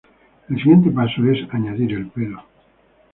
El siguiente paso es añadir el pelo.